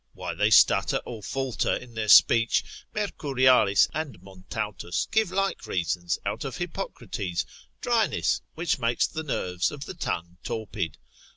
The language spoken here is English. prob. 6. sec. 3. de som.) why they stutter or falter in their speech, Mercurialis and Montaltus, cap. 17. give like reasons out of Hippocrates, dryness, which makes the nerves of the tongue torpid.